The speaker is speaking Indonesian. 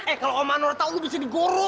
eh kalo om manwar tahu lu bisa digorok